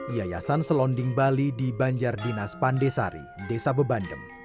yayasan selonding bali di banjar dinas pandesari desa bebandem